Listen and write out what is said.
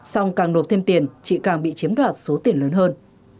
xong càng nộp thêm tiền chị càng bị chiếm đoạt số tiền lớn hơn